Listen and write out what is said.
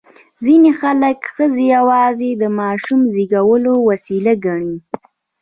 ځینې خلک ښځې یوازې د ماشوم زېږولو وسیله ګڼي.